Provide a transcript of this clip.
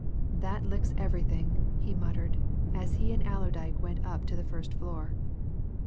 "That licks everything!" he muttered, as he and Allerdyke went up to the first floor.